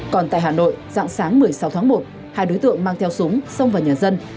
còn tại hà nội dạng sáng một mươi sáu tháng một hai đối tượng mang theo súng xông vào nhà dân